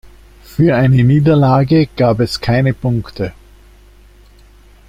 Für eine Niederlage gab es keine Punkte.